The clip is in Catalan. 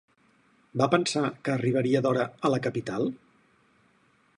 Va pensar que arribaria d'hora a la capital?